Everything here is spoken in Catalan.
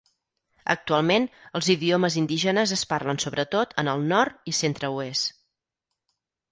Actualment, els idiomes indígenes es parlen sobretot en el Nord i Centre-Oest.